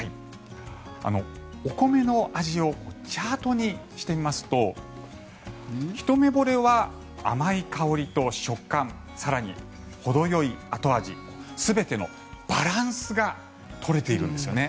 お米の味をチャートにしてみますとひとめぼれは甘い香りと食感更に、ほどよいあと味全てのバランスが取れているんですね。